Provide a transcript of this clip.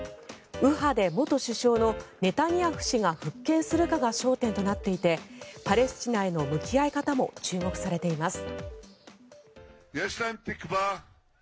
右派で元首相のネタニヤフ氏が復権するかが焦点となっていてパレスチナへの向き合い方も注目されています。